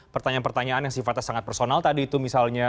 pertanyaan pertanyaan yang sifatnya sangat personal tadi itu misalnya